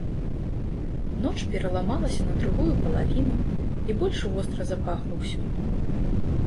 Ноч пераламалася на другую палавіну, і больш востра запахла ўсё.